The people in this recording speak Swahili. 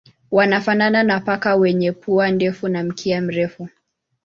Wanafanana na paka wenye pua ndefu na mkia mrefu.